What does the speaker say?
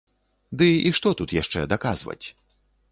Ды і што тут яшчэ даказваць?